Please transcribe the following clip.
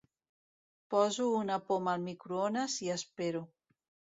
Poso una poma al microones i espero.